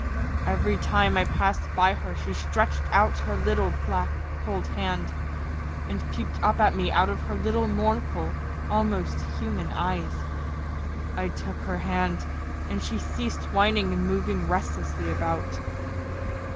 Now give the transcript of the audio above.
Every time I passed by her she stretched out her little, black, cold hand, and peeped up at me out of her little mournful, almost human eyes. I took her hand, and she ceased whining and moving restlessly about.